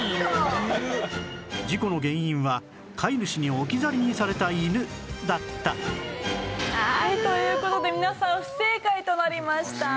事故の原因は飼い主に置き去りにされたイヌだったという事で皆さん不正解となりました。